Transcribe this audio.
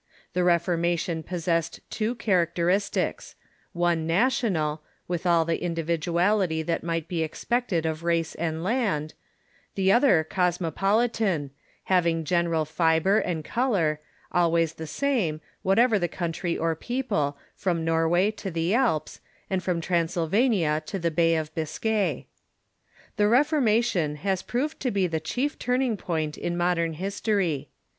The Reforma tion possessed two characteristics — one national, with all the individuality that might be expected of race and land ; the other cosmopolitan, having general fibre and color, always the same, whatever the country or people, from Xorway to the Alps, and from Transylvania to the Bay of Biscay. The Reformation has proved to be the chief turning point in mod ern history.